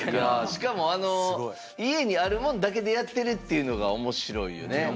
しかもあの家にあるもんだけでやってるっていうのが面白いよね。